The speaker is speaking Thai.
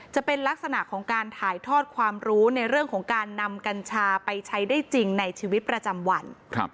จะเป็นลักษณะของการถ่ายทอดความรู้ในเรื่องของการนำกัญชาไปใช้ได้จริงในชีวิตประจำวัน